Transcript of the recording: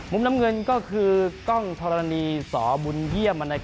น้ำเงินก็คือกล้องธรณีสบุญเยี่ยม